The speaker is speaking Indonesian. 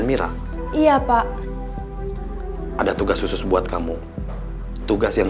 beliin makan buat mamangnya